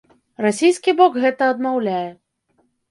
Расійскі бок гэта адмаўляе.